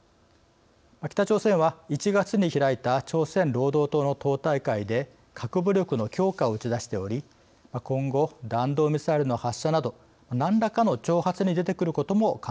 北朝鮮は１月に開いた朝鮮労働党の党大会で核武力の強化を打ち出しており今後弾道ミサイルの発射など何らかの挑発に出てくることも考えられます。